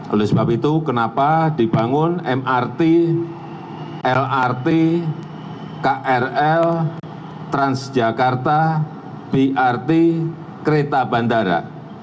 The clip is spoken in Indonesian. oleh sebab itu kenapa dibangun mrt lrt krl transjakarta brt kereta bandara